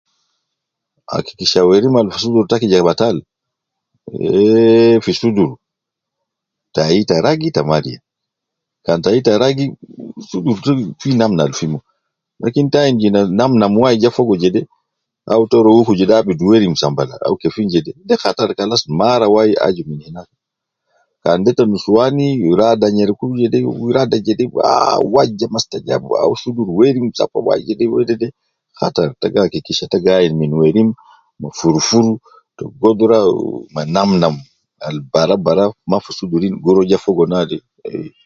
Akikisha werim ab fi sudur e batali eh fi sudur tai ta ragi ta maria kan tai ta ragi sudur tai fi namna al fi mo ta ayin je ta namna al ja fogo jede au ma ta rua wuku jede abidu werim batal au kefin jede de ligo anas mara wai kan de te nusuwan rada nyereku kede uwo gi rada jede ah waja mastajabu wau sudur werim safa jede wedede fa gi akikisha ta gi ayin werim fur fur gi rua ma namna al bara bara namna al werim gi rua ja fogo naade